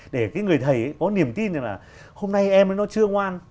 để cái người thầy có niềm tin là hôm nay em nó chưa ngoan